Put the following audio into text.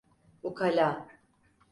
Ukala…